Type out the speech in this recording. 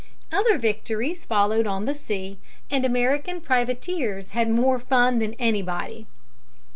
Other victories followed on the sea, and American privateers had more fun than anybody.